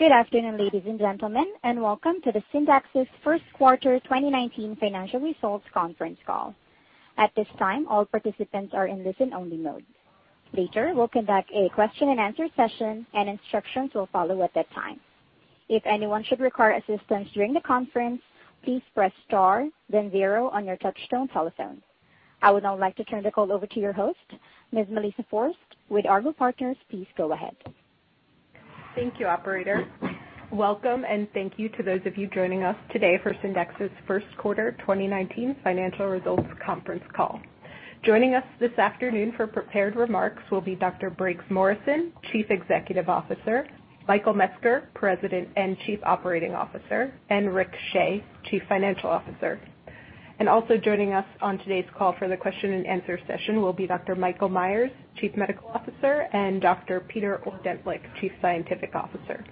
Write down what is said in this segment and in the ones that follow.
Good afternoon, ladies and gentlemen, and welcome to Syndax's first quarter 2019 financial results conference call. At this time, all participants are in listen only mode. Later, we'll conduct a question and answer session, and instructions will follow at that time. If anyone should require assistance during the conference, please press star then zero on your touchtone telephone. I would now like to turn the call over to your host, Ms. Melissa Forst, with Argot Partners. Please go ahead. Thank you, operator. Welcome and thank you to those of you joining us today for Syndax's first quarter 2019 financial results conference call. Joining us this afternoon for prepared remarks will be Dr. Briggs Morrison, Chief Executive Officer, Michael Metzger, President and Chief Operating Officer, and Rick Shea, Chief Financial Officer. Also joining us on today's call for the question and answer session will be Dr. Michael Meyers, Chief Medical Officer, and Dr. Peter Ordentlich, Chief Scientific Officer.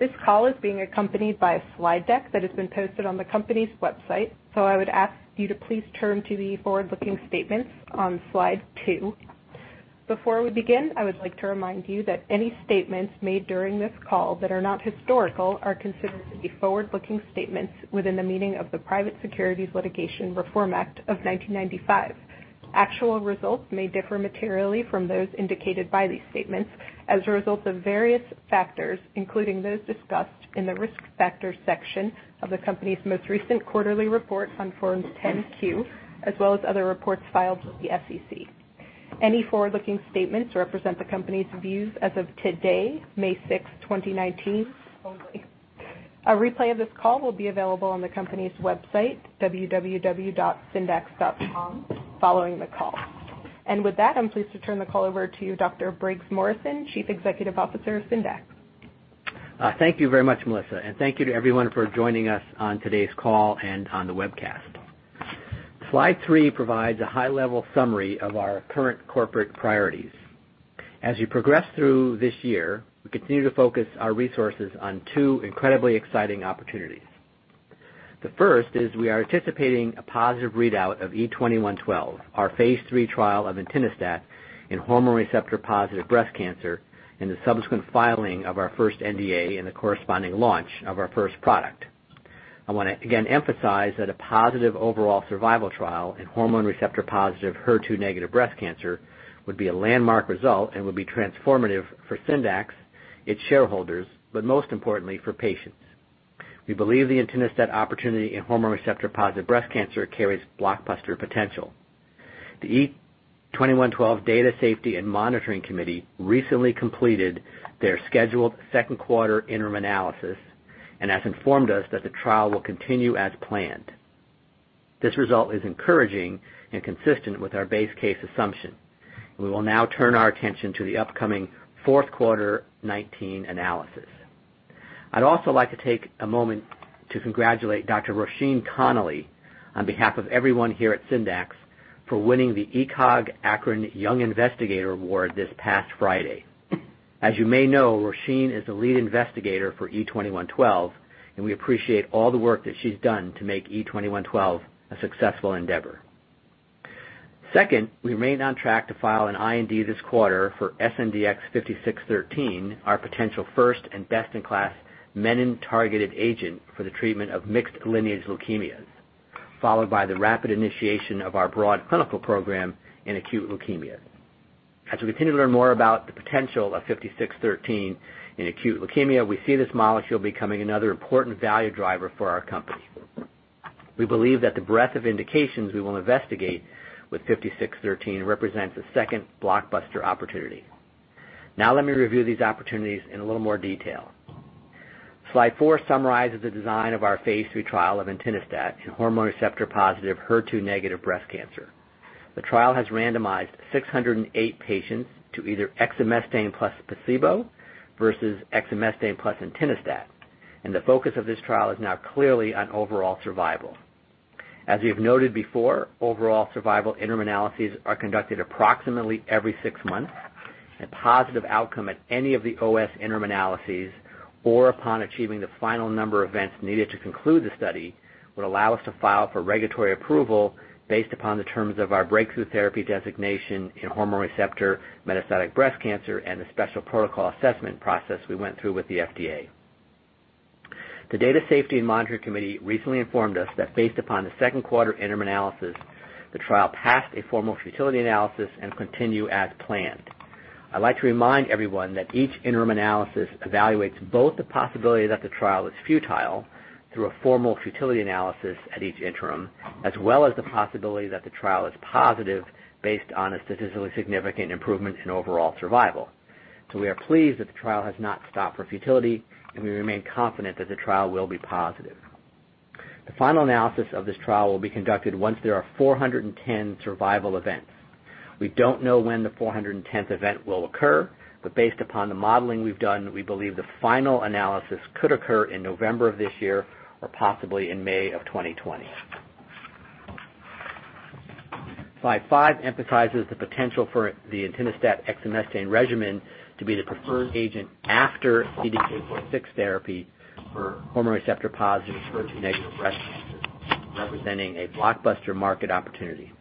This call is being accompanied by a slide deck that has been posted on the company's website. I would ask you to please turn to the forward-looking statements on slide two. Before we begin, I would like to remind you that any statements made during this call that are not historical are considered to be forward-looking statements within the meaning of the Private Securities Litigation Reform Act of 1995. Actual results may differ materially from those indicated by these statements as a result of various factors, including those discussed in the risk factor section of the company's most recent quarterly report on Forms 10-Q, as well as other reports filed with the SEC. Any forward-looking statements represent the company's views as of today, May 6th, 2019. A replay of this call will be available on the company's website, www.syndax.com, following the call. With that, I'm pleased to turn the call over to you, Dr. Briggs Morrison, Chief Executive Officer of Syndax. Thank you very much, Melissa, and thank you to everyone for joining us on today's call and on the webcast. Slide three provides a high-level summary of our current corporate priorities. As we progress through this year, we continue to focus our resources on two incredibly exciting opportunities. The first is we are anticipating a positive readout of E2112, our phase III trial of entinostat in hormone receptor-positive breast cancer, and the subsequent filing of our first NDA and the corresponding launch of our first product. I want to again emphasize that a positive overall survival trial in hormone receptor-positive HER2 negative breast cancer would be a landmark result and would be transformative for Syndax, its shareholders, but most importantly for patients. We believe the entinostat opportunity in hormone receptor-positive breast cancer carries blockbuster potential. The E2112 data safety and monitoring committee recently completed their scheduled second quarter interim analysis and has informed us that the trial will continue as planned. This result is encouraging and consistent with our base case assumption. We will now turn our attention to the upcoming fourth quarter 2019 analysis. I'd also like to take a moment to congratulate Dr. Roisin Connolly on behalf of everyone here at Syndax for winning the ECOG-ACRIN Young Investigator Award this past Friday. As you may know, Roisin is the lead investigator for E2112, and we appreciate all the work that she's done to make E2112 a successful endeavor. Second, we remain on track to file an IND this quarter for SNDX-5613, our potential first and best-in-class menin-targeted agent for the treatment of mixed lineage leukemias, followed by the rapid initiation of our broad clinical program in acute leukemia. As we continue to learn more about the potential of 5613 in acute leukemia, we see this molecule becoming another important value driver for our company. We believe that the breadth of indications we will investigate with 5613 represents a second blockbuster opportunity. Now let me review these opportunities in a little more detail. Slide four summarizes the design of our phase III trial of entinostat in hormone receptor-positive HER2-negative breast cancer. The trial has randomized 608 patients to either exemestane plus placebo versus exemestane plus entinostat, and the focus of this trial is now clearly on overall survival. As we have noted before, overall survival interim analyses are conducted approximately every six months. A positive outcome at any of the OS interim analyses or upon achieving the final number of events needed to conclude the study would allow us to file for regulatory approval based upon the terms of our breakthrough therapy designation in hormone receptor metastatic breast cancer and the special protocol assessment process we went through with the FDA. The data safety and monitoring committee recently informed us that based upon the second quarter interim analysis, the trial passed a formal futility analysis and continue as planned. I'd like to remind everyone that each interim analysis evaluates both the possibility that the trial is futile through a formal futility analysis at each interim, as well as the possibility that the trial is positive based on a statistically significant improvement in overall survival. We are pleased that the trial has not stopped for futility, and we remain confident that the trial will be positive. The final analysis of this trial will be conducted once there are 410 survival events. We don't know when the 410th event will occur, but based upon the modeling we've done, we believe the final analysis could occur in November of this year or possibly in May of 2020. Slide five emphasizes the potential for the entinostat/exemestane regimen to be the preferred agent after CDK4/6 therapy for hormone receptor-positive HER2-negative breast cancerRepresenting a blockbuster market opportunity.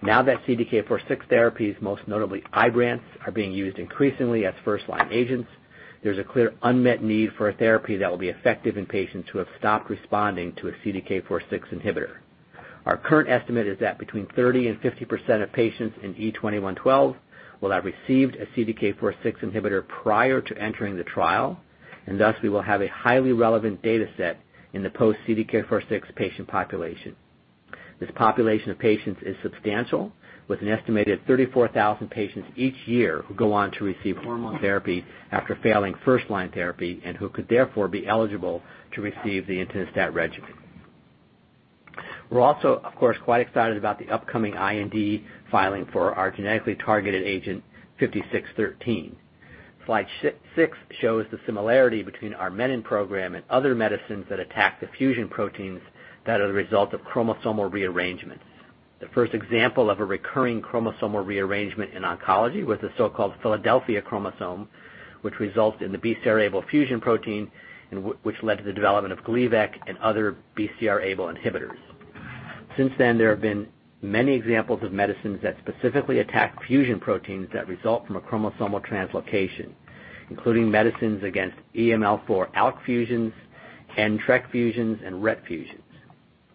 Now that CDK4/6 therapies, most notably IBRANCE, are being used increasingly as first-line agents, there's a clear unmet need for a therapy that will be effective in patients who have stopped responding to a CDK4/6 inhibitor. Our current estimate is that between 30%-50% of patients in E2112 will have received a CDK4/6 inhibitor prior to entering the trial, and thus we will have a highly relevant data set in the post-CDK4/6 patient population. This population of patients is substantial, with an estimated 34,000 patients each year who go on to receive hormone therapy after failing first-line therapy and who could therefore be eligible to receive the entinostat regimen. We're also, of course, quite excited about the upcoming IND filing for our genetically targeted agent 5613. Slide six shows the similarity between our menin program and other medicines that attack the fusion proteins that are the result of chromosomal rearrangements. The first example of a recurring chromosomal rearrangement in oncology was the so-called Philadelphia chromosome, which results in the BCR-ABL fusion protein and which led to the development of Gleevec and other BCR-ABL inhibitors. Since then, there have been many examples of medicines that specifically attack fusion proteins that result from a chromosomal translocation, including medicines against EML4-ALK fusions, and TRK fusions, and RET fusions.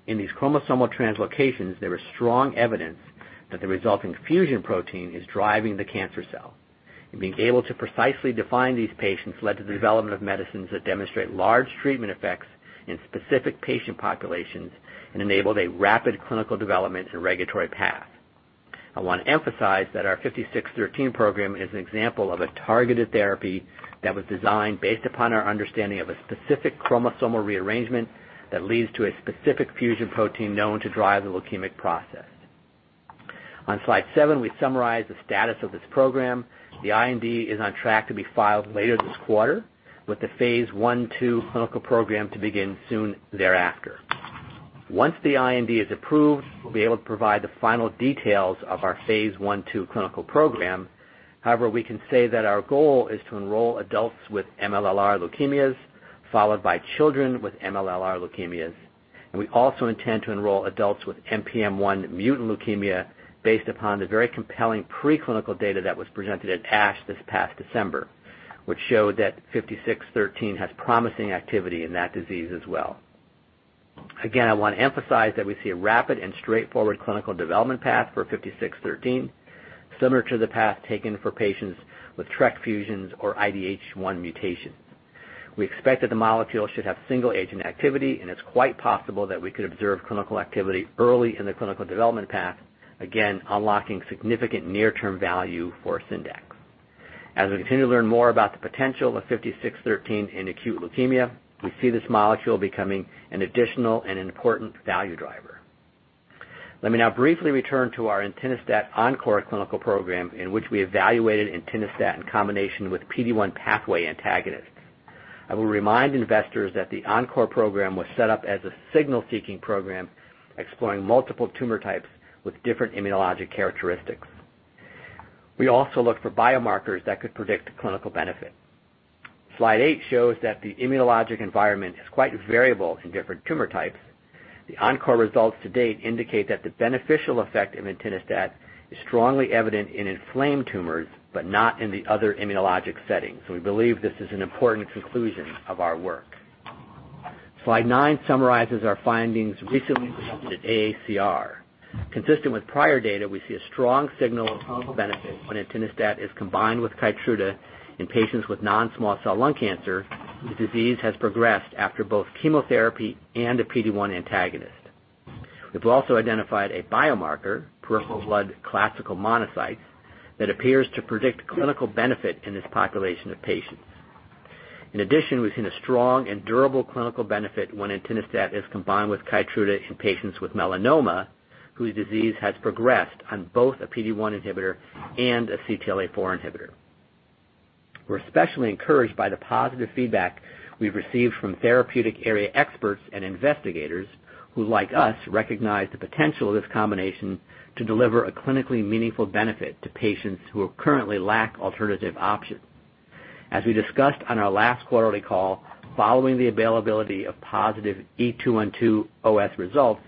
In these chromosomal translocations, there is strong evidence that the resulting fusion protein is driving the cancer cell, and being able to precisely define these patients led to the development of medicines that demonstrate large treatment effects in specific patient populations and enabled a rapid clinical development and regulatory path. I want to emphasize that our 5613 program is an example of a targeted therapy that was designed based upon our understanding of a specific chromosomal rearrangement that leads to a specific fusion protein known to drive the leukemic process. On slide seven, we summarize the status of this program. The IND is on track to be filed later this quarter with the phase I/II clinical program to begin soon thereafter. Once the IND is approved, we'll be able to provide the final details of our phase I/II clinical program. However, we can say that our goal is to enroll adults with MLL-r leukemias, followed by children with MLL-r leukemias. We also intend to enroll adults with NPM1 mutant leukemia based upon the very compelling preclinical data that was presented at ASH this past December, which showed that 5613 has promising activity in that disease as well. Again, I want to emphasize that we see a rapid and straightforward clinical development path for 5613, similar to the path taken for patients with TRK fusions or IDH1 mutations. We expect that the molecule should have single agent activity, and it's quite possible that we could observe clinical activity early in the clinical development path, again, unlocking significant near-term value for Syndax. As we continue to learn more about the potential of 5613 in acute leukemia, we see this molecule becoming an additional and important value driver. Let me now briefly return to our entinostat ENCORE clinical program, in which we evaluated entinostat in combination with PD-1 pathway antagonist. I will remind investors that the ENCORE program was set up as a signal-seeking program, exploring multiple tumor types with different immunologic characteristics. We also looked for biomarkers that could predict clinical benefit. Slide eight shows that the immunologic environment is quite variable in different tumor types. The ENCORE results to date indicate that the beneficial effect of entinostat is strongly evident in inflamed tumors, but not in the other immunologic settings. We believe this is an important conclusion of our work. Slide 9 summarizes our findings recently presented at AACR. Consistent with prior data, we see a strong signal of clinical benefit when entinostat is combined with KEYTRUDA in patients with non-small cell lung cancer the disease has progressed after both chemotherapy and a PD-1 antagonist. We've also identified a biomarker, peripheral blood classical monocytes, that appears to predict clinical benefit in this population of patients. In addition, we've seen a strong and durable clinical benefit when entinostat is combined with KEYTRUDA in patients with melanoma whose disease has progressed on both a PD-1 inhibitor and a CTLA-4 inhibitor. We're especially encouraged by the positive feedback we've received from therapeutic area experts and investigators who, like us, recognize the potential of this combination to deliver a clinically meaningful benefit to patients who currently lack alternative options. As we discussed on our last quarterly call, following the availability of positive E2112 OS results,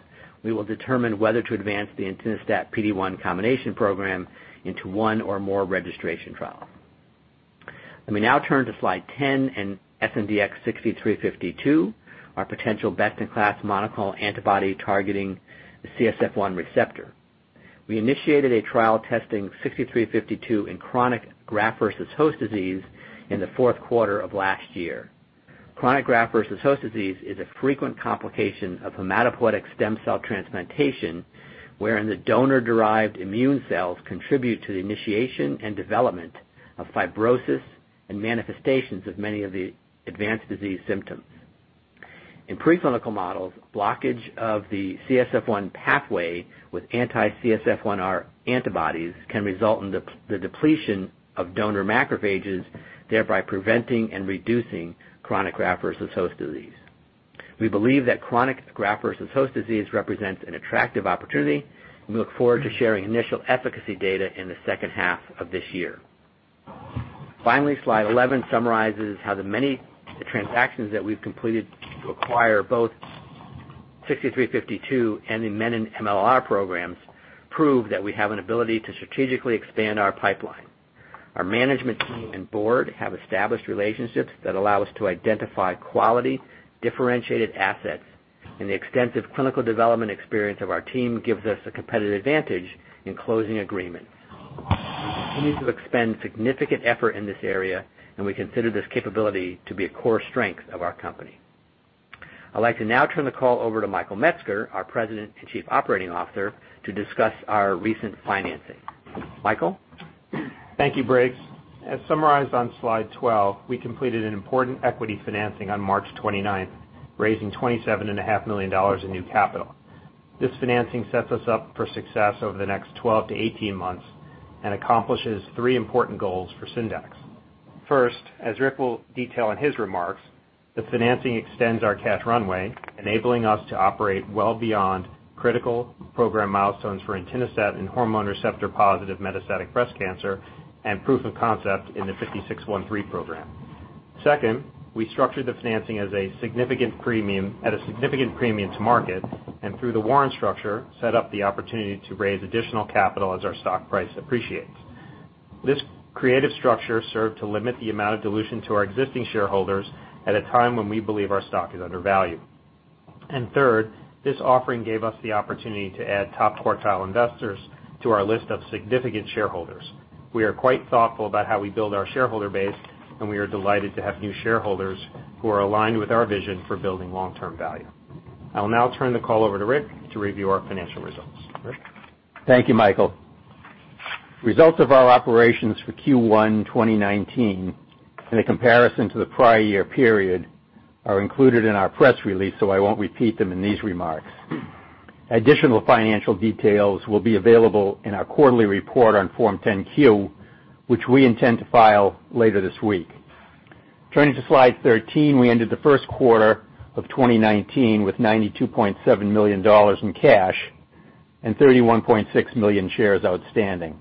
we will determine whether to advance the entinostat PD-1 combination program into one or more registration trials. Let me now turn to slide 10 and SNDX-6352, our potential best-in-class monoclonal antibody targeting the CSF1 receptor. We initiated a trial testing 6352 in chronic graft versus host disease in the fourth quarter of last year. Chronic graft versus host disease is a frequent complication of hematopoietic stem cell transplantation, wherein the donor-derived immune cells contribute to the initiation and development of fibrosis and manifestations of many of the advanced disease symptoms. In preclinical models, blockage of the CSF1 pathway with anti-CSF1R antibodies can result in the depletion of donor macrophages, thereby preventing and reducing chronic graft versus host disease. We believe that chronic graft versus host disease represents an attractive opportunity. We look forward to sharing initial efficacy data in the second half of this year. Finally, slide 11 summarizes how the many transactions that we've completed to acquire both SNDX-6352 and the Menin-MLL programs prove that we have an ability to strategically expand our pipeline. Our management team and board have established relationships that allow us to identify quality, differentiated assets. The extensive clinical development experience of our team gives us a competitive advantage in closing agreements. We continue to expend significant effort in this area. We consider this capability to be a core strength of our company. I'd like to now turn the call over to Michael Metzger, our President and Chief Operating Officer, to discuss our recent financing. Michael? Thank you, Briggs. As summarized on slide 12, we completed an important equity financing on March 29, raising $27.5 million in new capital. This financing sets us up for success over the next 12 to 18 months and accomplishes three important goals for Syndax. First, as Rick Shea will detail in his remarks, the financing extends our cash runway, enabling us to operate well beyond critical program milestones for entinostat and hormone receptor-positive metastatic breast cancer and proof of concept in the 5613 program. Second, we structured the financing at a significant premium to market, and through the warrant structure, set up the opportunity to raise additional capital as our stock price appreciates. This creative structure served to limit the amount of dilution to our existing shareholders at a time when we believe our stock is undervalued. Third, this offering gave us the opportunity to add top-quartile investors to our list of significant shareholders. We are quite thoughtful about how we build our shareholder base, and we are delighted to have new shareholders who are aligned with our vision for building long-term value. I'll now turn the call over to Rick Shea to review our financial results. Rick? Thank you, Michael. Results of our operations for Q1 2019 and the comparison to the prior year period are included in our press release, so I won't repeat them in these remarks. Additional financial details will be available in our quarterly report on Form 10-Q, which we intend to file later this week. Turning to slide 13, we ended the first quarter of 2019 with $92.7 million in cash and 31.6 million shares outstanding.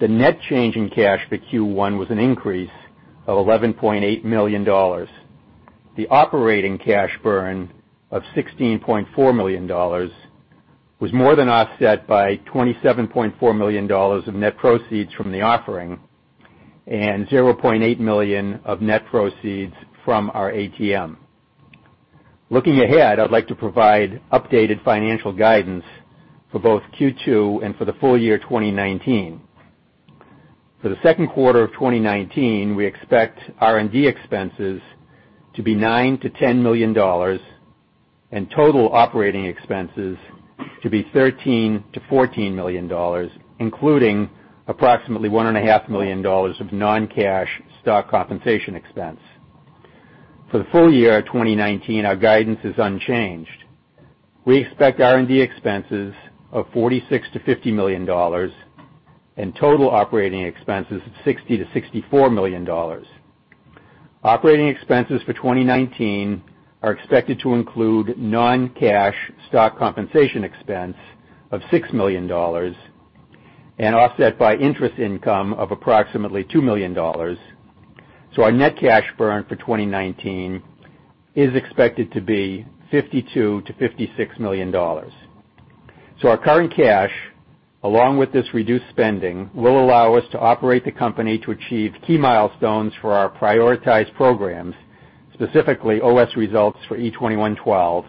The net change in cash for Q1 was an increase of $11.8 million. The operating cash burn of $16.4 million was more than offset by $27.4 million of net proceeds from the offering and $0.8 million of net proceeds from our ATM. Looking ahead, I'd like to provide updated financial guidance for both Q2 and for the full year 2019. For the second quarter of 2019, we expect R&D expenses to be $9 million-$10 million and total operating expenses to be $13 million-$14 million, including approximately $1.5 million of non-cash stock compensation expense. For the full year 2019, our guidance is unchanged. We expect R&D expenses of $46 million-$50 million and total operating expenses of $60 million-$64 million. Operating expenses for 2019 are expected to include non-cash stock compensation expense of $6 million and offset by interest income of approximately $2 million. Our net cash burn for 2019 is expected to be $52 million-$56 million. Our current cash, along with this reduced spending, will allow us to operate the company to achieve key milestones for our prioritized programs, specifically OS results for E2112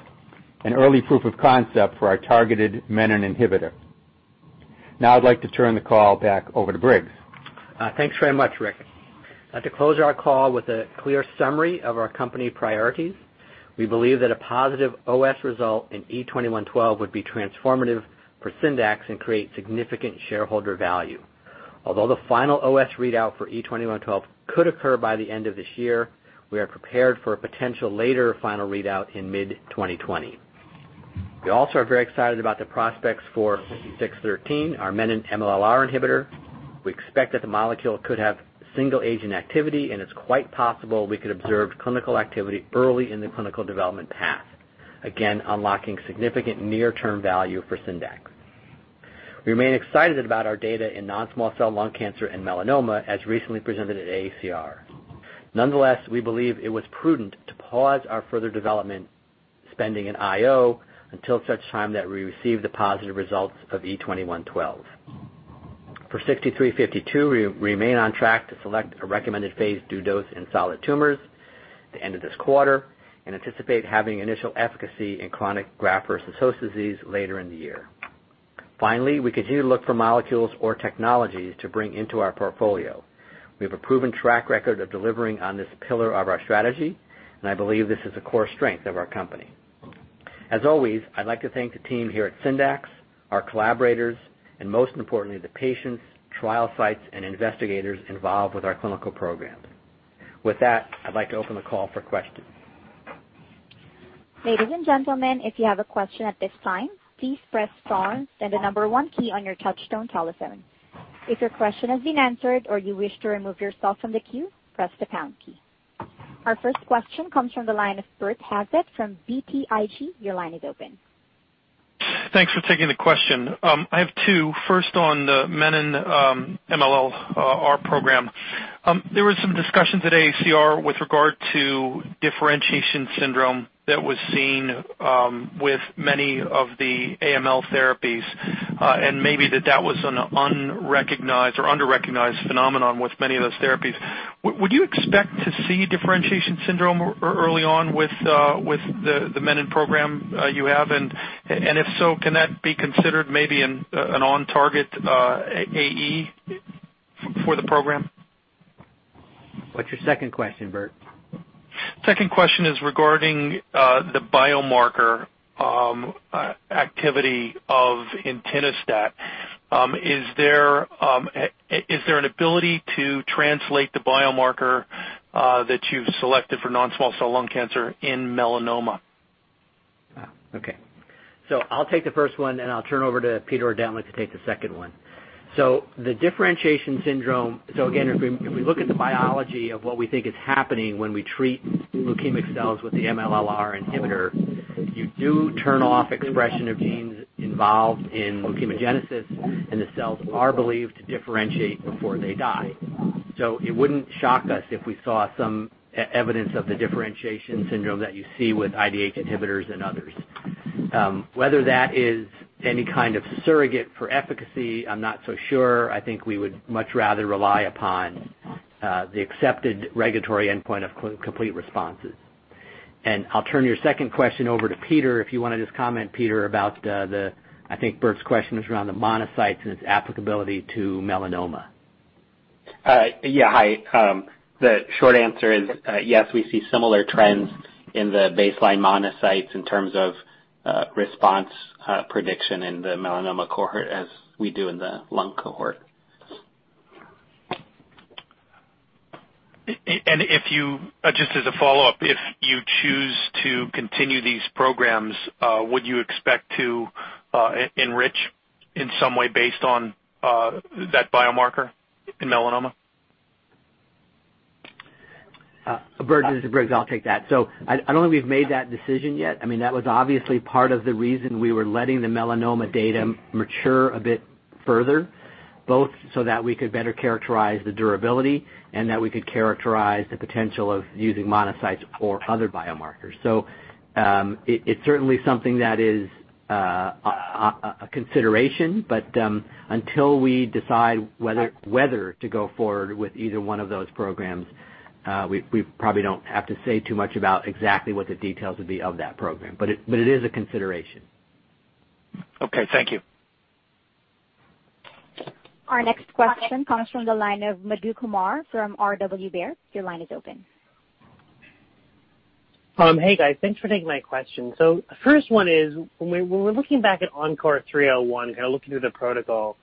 and early proof of concept for our targeted Menin inhibitor. Now I'd like to turn the call back over to Briggs. Thanks very much, Rick. I'd like to close our call with a clear summary of our company priorities. We believe that a positive OS result in E2112 would be transformative for Syndax and create significant shareholder value. Although the final OS readout for E2112 could occur by the end of this year, we are prepared for a potential later final readout in mid-2020. We also are very excited about the prospects for 5613, our Menin-MLL inhibitor. We expect that the molecule could have single-agent activity, and it's quite possible we could observe clinical activity early in the clinical development path, again, unlocking significant near-term value for Syndax. We remain excited about our data in non-small cell lung cancer and melanoma, as recently presented at AACR. Nonetheless, we believe it was prudent to pause our further development spending in IO until such time that we receive the positive results of E2112. For SNDX-6352, we remain on track to select a recommended phase II dose in solid tumors at the end of this quarter and anticipate having initial efficacy in chronic graft-versus-host disease later in the year. Finally, we continue to look for molecules or technologies to bring into our portfolio. We have a proven track record of delivering on this pillar of our strategy, and I believe this is a core strength of our company. As always, I'd like to thank the team here at Syndax, our collaborators, and most importantly, the patients, trial sites, and investigators involved with our clinical programs. With that, I'd like to open the call for questions. Ladies and gentlemen, if you have a question at this time, please press star and the number one key on your touchtone telephone. If your question has been answered or you wish to remove yourself from the queue, press the pound key. Our first question comes from the line of Bert Hazlett from BTIG. Your line is open. Thanks for taking the question. I have two. First, on the menin MLL-r program. There was some discussion today, CR, with regard to differentiation syndrome that was seen with many of the AML therapies, and maybe that was an unrecognized or under-recognized phenomenon with many of those therapies. Would you expect to see differentiation syndrome early on with the menin program you have? If so, can that be considered maybe an on-target AE for the program? What's your second question, Burt? Second question is regarding the biomarker activity of entinostat. Is there an ability to translate the biomarker that you've selected for non-small cell lung cancer in melanoma? Wow. Okay. I'll take the first one, and I'll turn over to Peter Ordentlic to take the second one. The differentiation syndrome. Again, if we look at the biology of what we think is happening when we treat leukemic cells with the MLL-R inhibitor, you do turn off expression of genes involved in leukemogenesis, and the cells are believed to differentiate before they die. It wouldn't shock us if we saw some evidence of the differentiation syndrome that you see with IDH inhibitors and others. Whether that is any kind of surrogate for efficacy, I'm not so sure. I think we would much rather rely upon the accepted regulatory endpoint of complete responses. I'll turn your second question over to Peter, if you want to just comment, Peter, about the I think Burt's question was around the monocytes and its applicability to melanoma. Yeah. Hi. The short answer is yes, we see similar trends in the baseline monocytes in terms of response prediction in the melanoma cohort, as we do in the lung cohort. If you, just as a follow-up, if you choose to continue these programs, would you expect to enrich in some way based on that biomarker in melanoma? Burt, this is Briggs, I'll take that. I don't think we've made that decision yet. That was obviously part of the reason we were letting the melanoma data mature a bit further, both so that we could better characterize the durability and that we could characterize the potential of using monocytes for other biomarkers. It's certainly something that is a consideration, but until we decide whether to go forward with either one of those programs, we probably don't have to say too much about exactly what the details would be of that program. It is a consideration. Okay. Thank you. Our next question comes from the line of Madhu Kumar from Robert W. Baird. Your line is open. Hey, guys. Thanks for taking my question. The first one is, when we're looking back at ENCORE 301, looking through the protocol,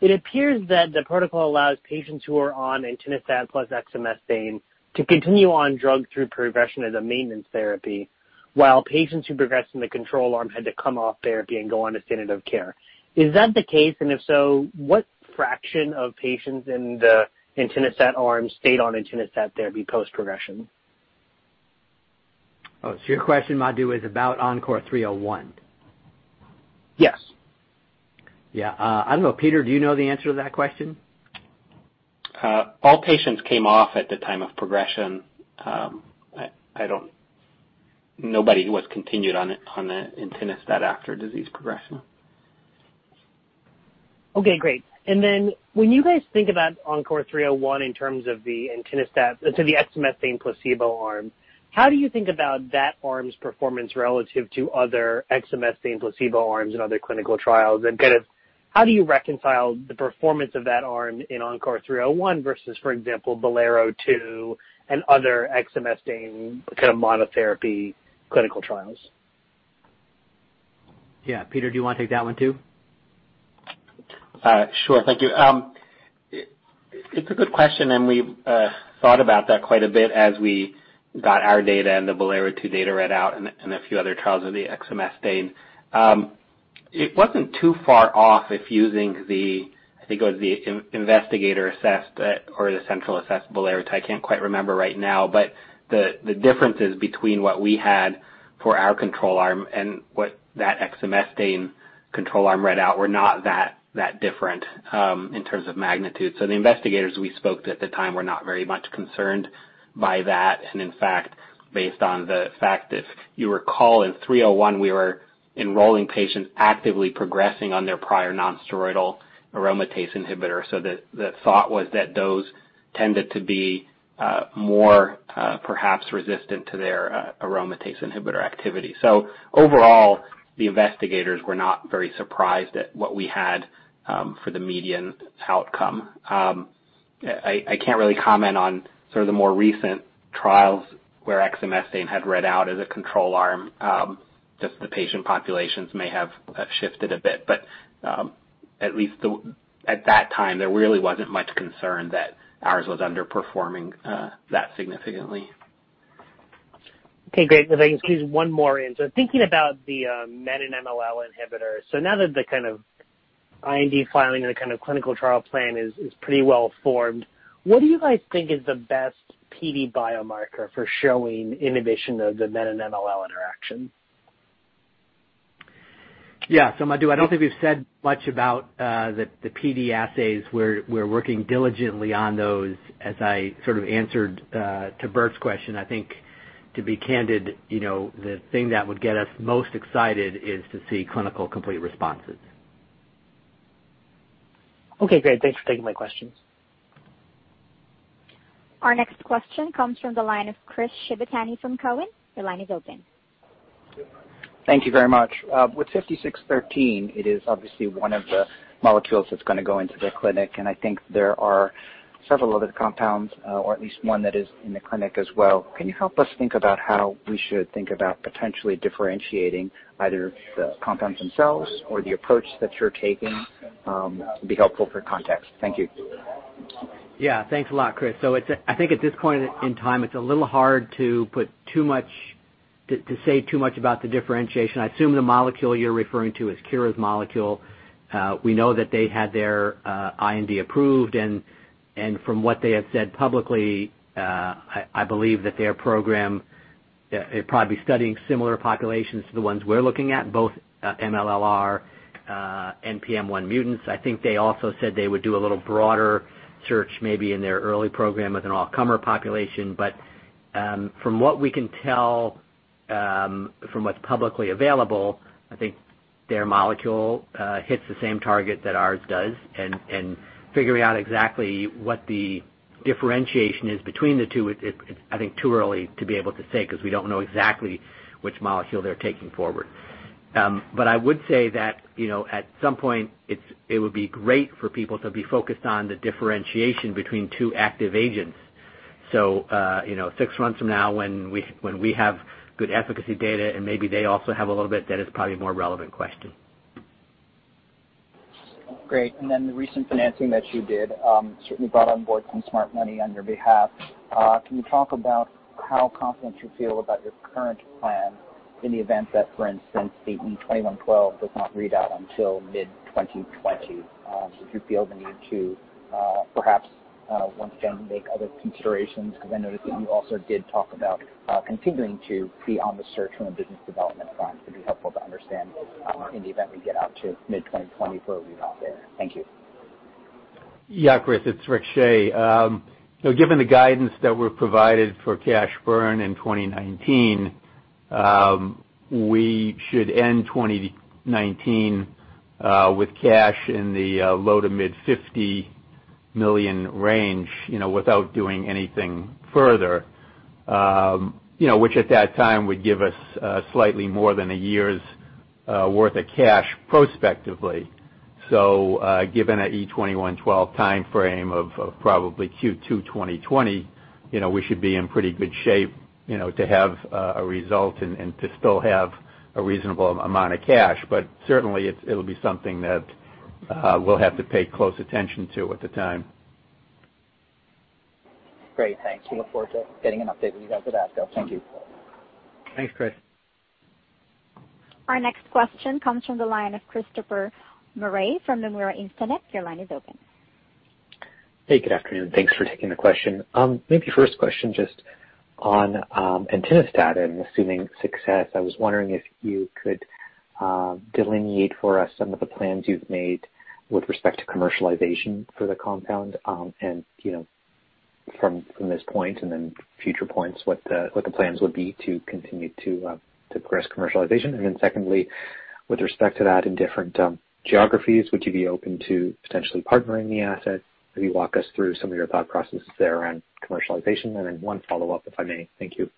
it appears that the protocol allows patients who are on entinostat plus exemestane to continue on drug through progression as a maintenance therapy while patients who progressed in the control arm had to come off therapy and go on to standard of care. Is that the case? And if so, what fraction of patients in the entinostat arm stayed on entinostat therapy post-progression? Your question, Madhu, is about ENCORE 301? Yes. Yeah. I don't know. Peter, do you know the answer to that question? All patients came off at the time of progression. Nobody was continued on entinostat after disease progression. Okay, great. When you guys think about ENCORE 301 in terms of the exemestane placebo arm, how do you think about that arm's performance relative to other exemestane placebo arms in other clinical trials? How do you reconcile the performance of that arm in ENCORE 301 versus, for example, BOLERO-2 and other exemestane kind of monotherapy clinical trials? Yeah. Peter, do you want to take that one too? Sure. Thank you. It's a good question. We've thought about that quite a bit as we got our data, the BOLERO-2 data read out, and a few other trials of the exemestane. It wasn't too far off, if using the, I think it was the investigator-assessed or the central assessed BOLERO. I can't quite remember right now. The differences between what we had for our control arm and what that exemestane control arm read out were not that different in terms of magnitude. The investigators we spoke to at the time were not very much concerned by that. In fact, based on the fact, if you recall, in 301, we were enrolling patients actively progressing on their prior nonsteroidal aromatase inhibitor. The thought was that those tended to be more perhaps resistant to their aromatase inhibitor activity. Overall, the investigators were not very surprised at what we had for the median outcome. I can't really comment on the more recent trials where exemestane had read out as a control arm. Just the patient populations may have shifted a bit. At least at that time, there really wasn't much concern that ours was underperforming that significantly. Okay, great. If I can squeeze one more in. Thinking about the Menin-MLL inhibitor, now that the kind of IND filing and the kind of clinical trial plan is pretty well-formed. What do you guys think is the best PD biomarker for showing inhibition of the Menin and MLL interaction? Yeah. Madhu, I don't think we've said much about the PD assays. We're working diligently on those, as I sort of answered to Burt's question. I think, to be candid, the thing that would get us most excited is to see clinical complete responses. Okay, great. Thanks for taking my questions. Our next question comes from the line of Chris Shibutani from Cowen. Your line is open. Thank you very much. With SNDX-5613, it is obviously one of the molecules that's going to go into the clinic, I think there are several other compounds, or at least one that is in the clinic as well. Can you help us think about how we should think about potentially differentiating either the compounds themselves or the approach that you're taking? It'd be helpful for context. Thank you. Yeah. Thanks a lot, Chris. I think at this point in time, it's a little hard to say too much about the differentiation. I assume the molecule you're referring to is Kura's molecule. We know that they had their IND approved. From what they have said publicly, I believe that their program, they'll probably be studying similar populations to the ones we're looking at, both MLL-r NPM1 mutants. I think they also said they would do a little broader search maybe in their early program with an all-comer population. From what we can tell from what's publicly available, I think their molecule hits the same target that ours does. Figuring out exactly what the differentiation is between the two, it's I think too early to be able to say, because we don't know exactly which molecule they're taking forward. I would say that, at some point, it would be great for people to be focused on the differentiation between two active agents. Six months from now when we have good efficacy data and maybe they also have a little bit, that is probably a more relevant question. Great. The recent financing that you did certainly brought on board some smart money on your behalf. Can you talk about how confident you feel about your current plan in the event that, for instance, the E2112 does not read out until mid-2020? Did you feel the need to perhaps once again make other considerations? I noticed that you also did talk about continuing to be on the search from a business development front. It would be helpful to understand in the event we get out to mid-2020 for a readout there. Thank you. Yeah, Chris, it's Rick Shea. Given the guidance that we've provided for cash burn in 2019, we should end 2019 with cash in the low to mid $50 million range without doing anything further, which at that time would give us slightly more than a year's worth of cash prospectively. Given an E2112 timeframe of probably Q2 2020, we should be in pretty good shape to have a result and to still have a reasonable amount of cash. Certainly, it'll be something that we'll have to pay close attention to at the time. Great. Thanks. We look forward to getting an update when you guys are back though. Thank you. Thanks, Chris. Our next question comes from the line of Christopher Marai from Nomura Instinet. Your line is open. Hey, good afternoon. Thanks for taking the question. Maybe first question just on entinostat, assuming success, I was wondering if you could delineate for us some of the plans you've made with respect to commercialization for the compound and from this point and then future points, what the plans would be to continue to progress commercialization. Secondly, with respect to that in different geographies, would you be open to potentially partnering the asset? Maybe walk us through some of your thought processes there around commercialization. One follow-up, if I may. Thank you.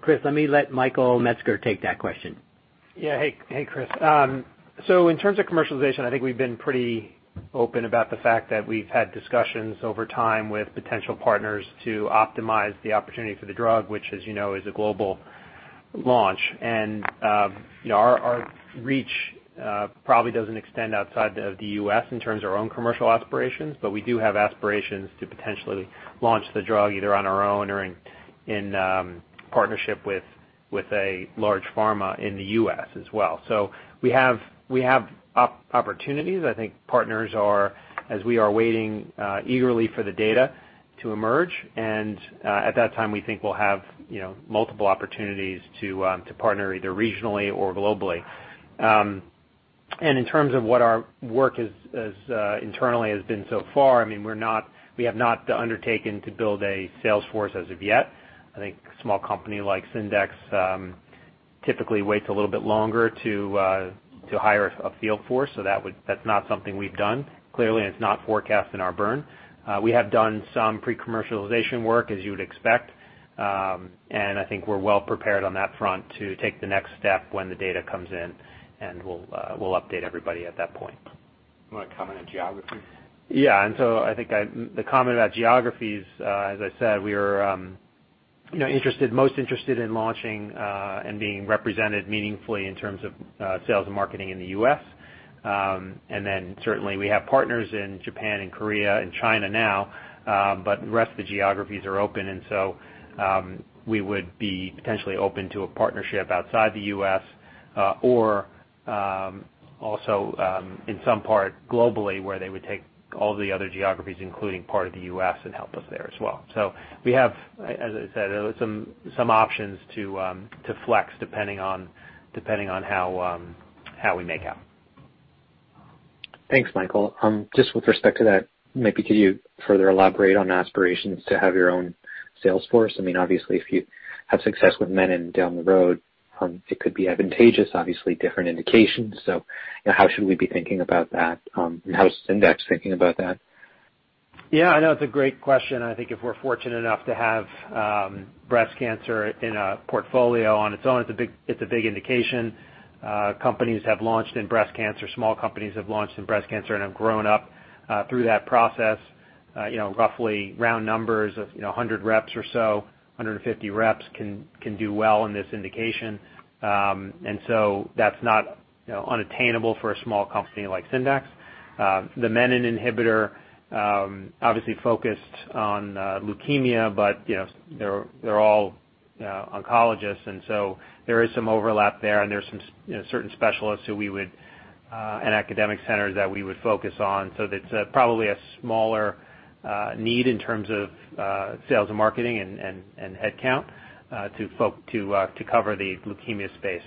Chris, let me let Michael Metzger take that question. Yeah. Hey, Chris. In terms of commercialization, I think we've been pretty open about the fact that we've had discussions over time with potential partners to optimize the opportunity for the drug, which as you know, is a global launch. Our reach probably doesn't extend outside of the U.S. in terms of our own commercial aspirations, but we do have aspirations to potentially launch the drug either on our own or in partnership with a large pharma in the U.S. as well. We have opportunities. I think partners are, as we are waiting eagerly for the data to emerge, and at that time we think we'll have multiple opportunities to partner either regionally or globally. In terms of what our work internally has been so far, we have not undertaken to build a sales force as of yet. I think a small company like Syndax typically waits a little bit longer to hire a field force. That's not something we've done. Clearly, it's not forecast in our burn. We have done some pre-commercialization work, as you would expect. I think we're well prepared on that front to take the next step when the data comes in, and we'll update everybody at that point. You want to comment on geography? Yeah. I think the comment about geographies, as I said, we are most interested in launching and being represented meaningfully in terms of sales and marketing in the U.S. Certainly we have partners in Japan and Korea and China now. The rest of the geographies are open, so we would be potentially open to a partnership outside the U.S. or also, in some part globally, where they would take all the other geographies, including part of the U.S., and help us there as well. We have, as I said, some options to flex depending on how we make out. Thanks, Michael. Just with respect to that, maybe could you further elaborate on aspirations to have your own sales force? Obviously, if you have success with menin down the road, it could be advantageous, obviously, different indications. How should we be thinking about that? How is Syndax thinking about that? Yeah, no, it's a great question, and I think if we're fortunate enough to have breast cancer in a portfolio on its own, it's a big indication. Companies have launched in breast cancer, small companies have launched in breast cancer and have grown up through that process. Roughly round numbers of 100 reps or so, 150 reps can do well in this indication. That's not unattainable for a small company like Syndax. The menin inhibitor obviously focused on leukemia, but they're all oncologists, and so there is some overlap there and there's certain specialists and academic centers that we would focus on. That's probably a smaller need in terms of sales and marketing and headcount to cover the leukemia space.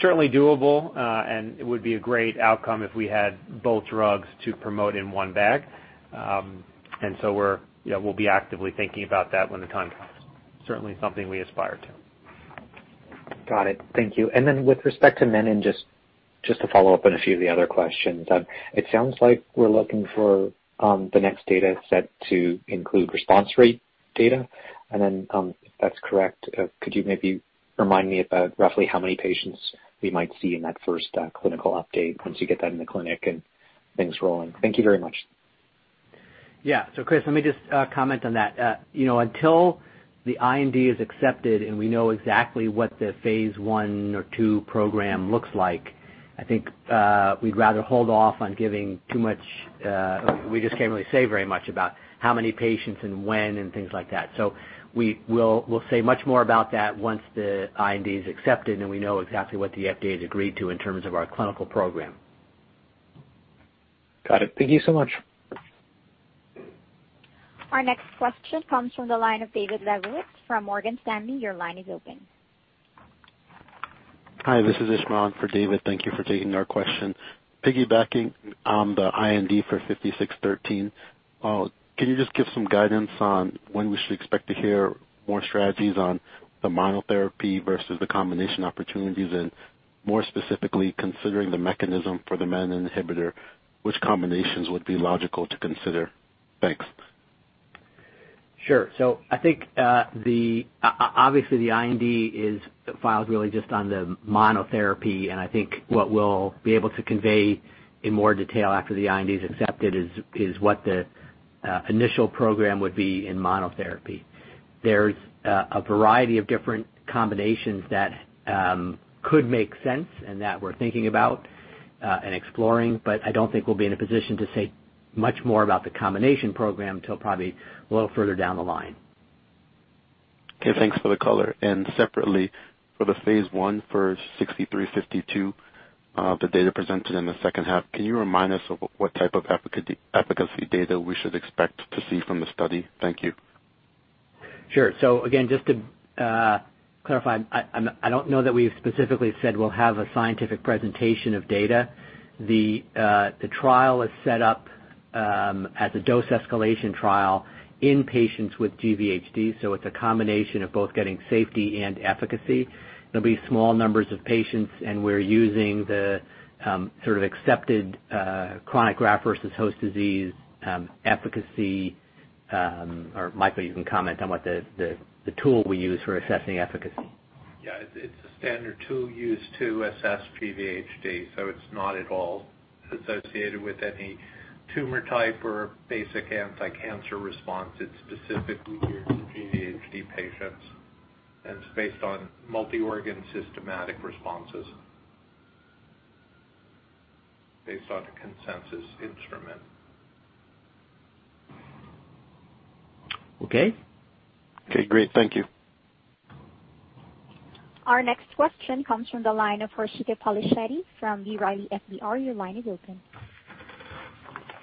Certainly doable, and it would be a great outcome if we had both drugs to promote in one bag. We'll be actively thinking about that when the time comes. Certainly something we aspire to. Got it. Thank you. With respect to menin, just to follow up on a few of the other questions, it sounds like we're looking for the next data set to include response rate data, and then if that's correct, could you maybe remind me about roughly how many patients we might see in that first clinical update once you get that in the clinic and things rolling? Thank you very much. Yeah. Chris, let me just comment on that. Until the IND is accepted and we know exactly what the phase I or II program looks like, I think we'd rather hold off on giving too much. We just can't really say very much about how many patients and when and things like that. We'll say much more about that once the IND is accepted and we know exactly what the FDA has agreed to in terms of our clinical program. Got it. Thank you so much. Our next question comes from the line of David Lebowitz from Morgan Stanley. Your line is open. Hi, this is Ishmael for David. Thank you for taking our question. Piggybacking on the IND for 5613, can you just give some guidance on when we should expect to hear more strategies on the monotherapy versus the combination opportunities, and more specifically considering the mechanism for the menin inhibitor, which combinations would be logical to consider? Thanks. Sure. I think obviously the IND is filed really just on the monotherapy, and I think what we'll be able to convey in more detail after the IND is accepted is what the initial program would be in monotherapy. There's a variety of different combinations that could make sense and that we're thinking about and exploring, but I don't think we'll be in a position to say much more about the combination program till probably a little further down the line. Okay. Thanks for the color. Separately, for the phase I for SNDX-6352, the data presented in the second half, can you remind us of what type of efficacy data we should expect to see from the study? Thank you. Sure. Again, just to clarify, I don't know that we've specifically said we'll have a scientific presentation of data. The trial is set up as a dose escalation trial in patients with GVHD, so it's a combination of both getting safety and efficacy. There'll be small numbers of patients, and we're using the sort of accepted chronic graft versus host disease efficacy, or Michael, you can comment on what the tool we use for assessing efficacy. Yeah. It's a standard tool used to assess GVHD, so it's not at all associated with any tumor type or basic anti-cancer response. It's specifically for GVHD patients, and it's based on multi-organ systematic responses based on the consensus instrument. Okay. Okay, great. Thank you. Our next question comes from the line of Harshita Polishetty from B. Riley FBR. Your line is open.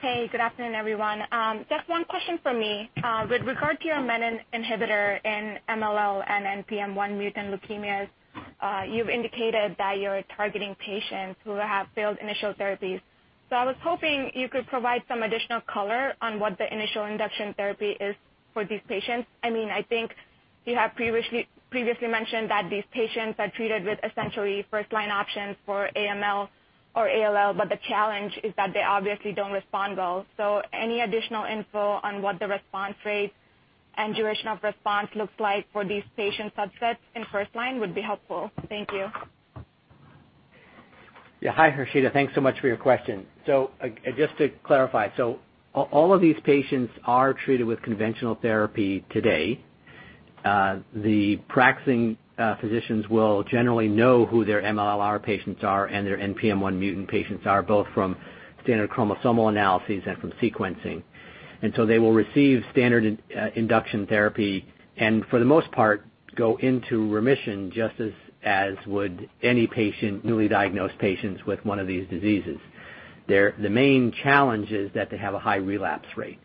Hey, good afternoon, everyone. Just one question from me. With regard to your menin inhibitor in MLL and NPM1 mutant leukemias, you've indicated that you're targeting patients who have failed initial therapies. I was hoping you could provide some additional color on what the initial induction therapy is for these patients. I think you have previously mentioned that these patients are treated with essentially first-line options for AML or ALL, but the challenge is that they obviously don't respond well. Any additional info on what the response rates and duration of response looks like for these patient subsets in first line would be helpful. Thank you. Yeah. Hi, Harshita. Thanks so much for your question. Just to clarify, so all of these patients are treated with conventional therapy today. The practicing physicians will generally know who their MLL-r patients are and their NPM1 mutant patients are, both from standard chromosomal analyses and from sequencing. They will receive standard induction therapy, and for the most part, go into remission just as would any newly diagnosed patients with one of these diseases. The main challenge is that they have a high relapse rate.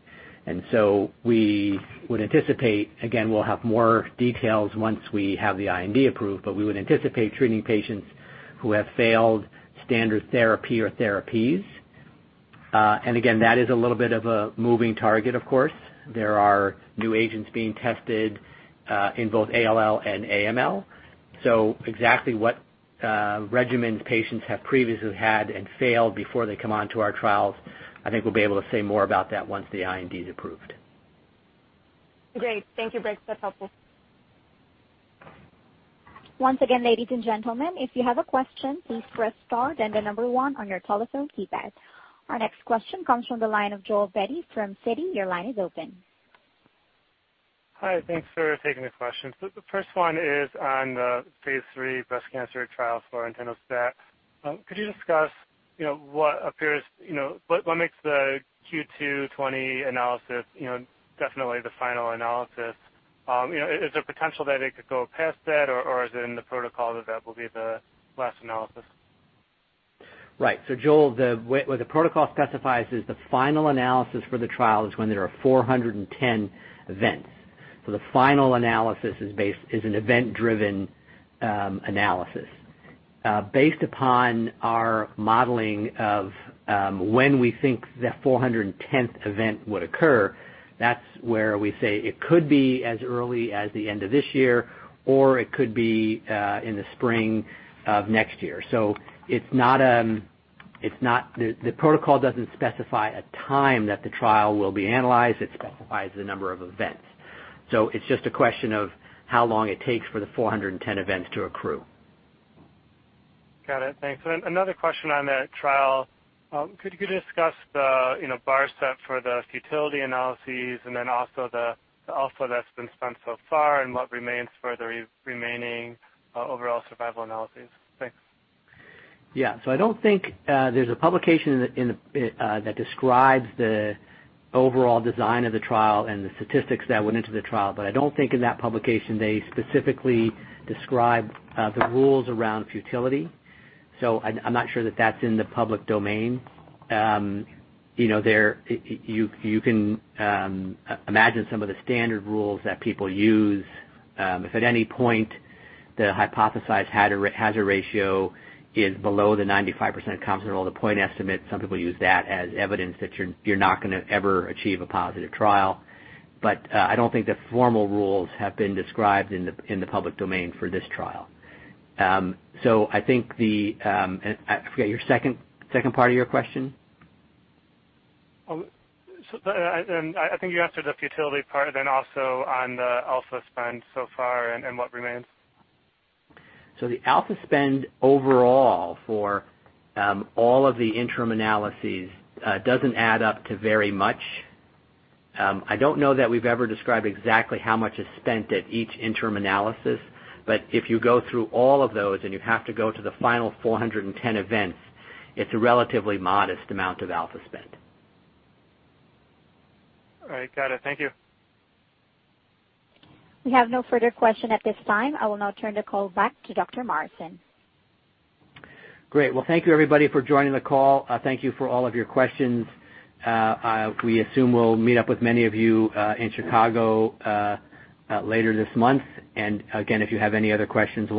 We would anticipate, again, we'll have more details once we have the IND approved, but we would anticipate treating patients who have failed standard therapy or therapies. Again, that is a little bit of a moving target, of course. There are new agents being tested, in both ALL and AML. Exactly what regimens patients have previously had and failed before they come onto our trials, I think we'll be able to say more about that once the IND is approved. Great. Thank you, Briggs. That's helpful. Once again, ladies and gentlemen, if you have a question, please press star then the number one on your telephone keypad. Our next question comes from the line of Joel Beatty from Citi. Your line is open. Hi. Thanks for taking the question. The first one is on the phase III breast cancer trial for entinostat. Could you discuss what makes the Q2 '20 analysis definitely the final analysis? Is there potential that it could go past that, or is it in the protocol that that will be the last analysis? Right. Joel, what the protocol specifies is the final analysis for the trial is when there are 410 events. The final analysis is an event-driven analysis. Based upon our modeling of when we think the 410th event would occur, that's where we say it could be as early as the end of this year, or it could be in the spring of next year. The protocol doesn't specify a time that the trial will be analyzed. It specifies the number of events. It's just a question of how long it takes for the 410 events to accrue. Got it. Thanks. Another question on that trial. Could you discuss the bar set for the futility analyses and then also the alpha that's been spent so far and what remains for the remaining overall survival analyses? Thanks. Yeah. There's a publication that describes the overall design of the trial and the statistics that went into the trial, but I don't think in that publication they specifically describe the rules around futility. I'm not sure that that's in the public domain. You can imagine some of the standard rules that people use. If at any point the hypothesized hazard ratio is below the 95% confidence interval, the point estimate, some people use that as evidence that you're not going to ever achieve a positive trial. I don't think the formal rules have been described in the public domain for this trial. I forget your second part of your question. I think you answered the futility part, also on the alpha spend so far and what remains. The alpha spend overall for all of the interim analyses, doesn't add up to very much. I don't know that we've ever described exactly how much is spent at each interim analysis. But if you go through all of those and you have to go to the final 410 events, it's a relatively modest amount of alpha spend. All right. Got it. Thank you. We have no further question at this time. I will now turn the call back to Dr. Morrison. Great. Well, thank you everybody for joining the call. Thank you for all of your questions. We assume we'll meet up with many of you in Chicago later this month. Again, if you have any other questions.